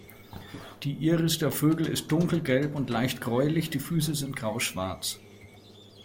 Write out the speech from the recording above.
Die Iris der Vögel ist dunkelgelb und leicht gräulich, die Füße sind grauschwarz.